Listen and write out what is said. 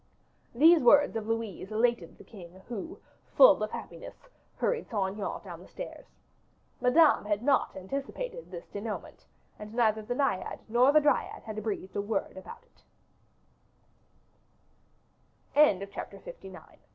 These words of Louise elated the king, who, full of happiness, hurried Saint Aignan down the stairs. Madame had not anticipated this denouement; and neither the Naiad nor the Dryad had breathed a word about